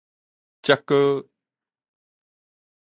才閣